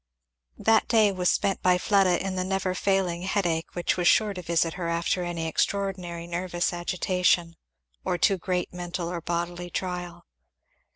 That day was spent by Fleda in the never failing headache which was sure to visit her after any extraordinary nervous agitation or too great mental or bodily trial.